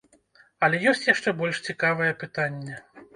Але ёсць яшчэ больш цікавае пытанне.